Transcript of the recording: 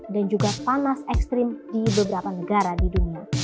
dan juga panas ekstrim di beberapa negara di dunia